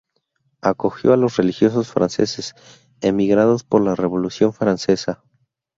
Acogió a los religiosos franceses emigrados por la Revolución francesa.